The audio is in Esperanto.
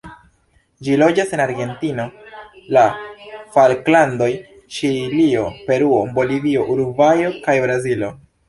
Ĝi loĝas en Argentino, la Falklandoj, Ĉilio, Peruo, Bolivio, Urugvajo, kaj Brazilo.